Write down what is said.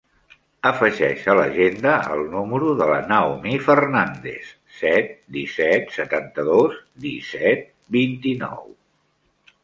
Afegeix a l'agenda el número de la Naomi Fernandes: set, disset, setanta-dos, disset, vint-i-nou.